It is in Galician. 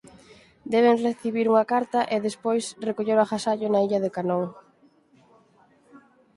Deben recibir unha carta e despois recoller o agasallo na Illa do Canón.